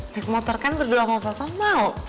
naik motor kan berdua sama papa mau